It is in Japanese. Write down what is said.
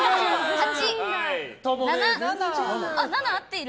８７は合っている！